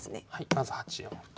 まず８四歩と。